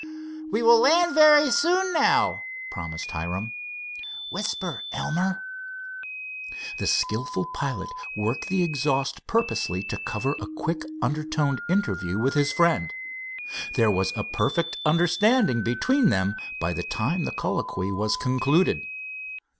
"We will land very soon now," promised Hiram. "Whisper, Elmer." The skillful pilot worked the exhaust purposely to cover a quick undertoned interview with his friend. There was a perfect understanding between them by the time the colloquy was concluded.